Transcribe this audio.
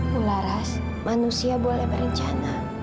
mula ras manusia boleh berencana